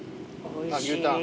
あっ牛タン。